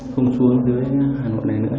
không xuống với hà nội này nữa